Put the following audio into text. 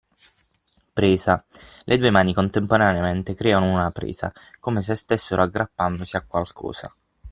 Presa: le due mani contemporaneamente creano una presa, come se stessero aggrappandosi a qualcosa.